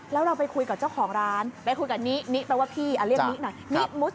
แล้วเราไปคุยกับเจ้าของร้านไปคุยกับนี่นี่เป็นว่าพี่เรียกนี่หน่อย